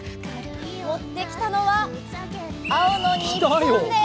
持ってきたのは青の日本です！